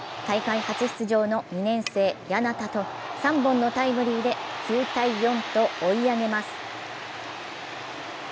３年生の広川と堀川、大会初出場の２年生・簗田と３本のタイムリーで９−４と追い上げます。